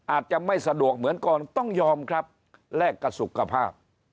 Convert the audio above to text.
อาจจะไม่สะดวกเหมือนก่อนต้องยอมครับแลกกับสุขภาพ